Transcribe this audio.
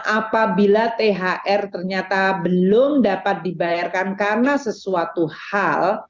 apabila thr ternyata belum dapat dibayarkan karena sesuatu hal